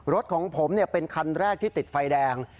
รถของผมเป็นคันแรกที่ติดไฟแดง